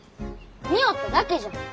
見よっただけじゃ。